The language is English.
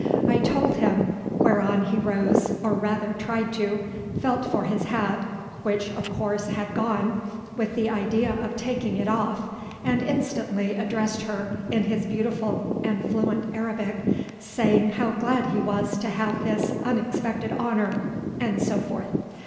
I told him, whereon he rose, or rather tried to, felt for his hat, which, of course, had gone, with the idea of taking it off, and instantly addressed her in his beautiful and fluent Arabic, saying how glad he was to have this unexpected honour, and so forth.